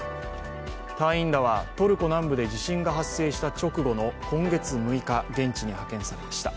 隊員らはトルコ南部で地震が発生した直後の今月６日、現地に派遣されました。